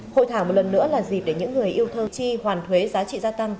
hội thảo một lần nữa là dịp để những người yêu thơ chi hoàn thuế giá trị gia tăng